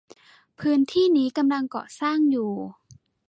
พื้นที่นี้กำลังก่อสร้างอยู่